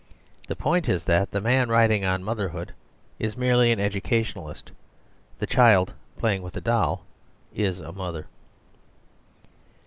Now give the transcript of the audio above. The point is that the man writing on motherhood is merely an educationalist; the child playing with a doll is a mother.